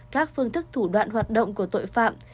các phương thức thủ đoạn hoạt động của tội phạm